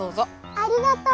ありがとう。